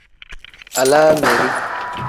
Alaameri.